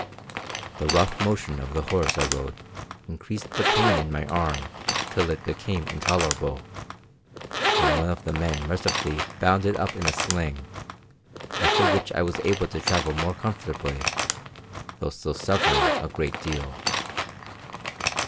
The rough motion of the horse I rode increased the pain in my arm till it became intolerable; then one of the men mercifully bound it up in a sling, after which I was able to travel more comfortably, though still suffering a great deal.